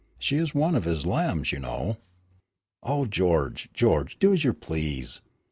She is one of his lambs, you know." "Oh, George, George, do as you please.